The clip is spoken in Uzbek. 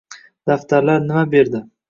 “Daftar”lar nima berdi?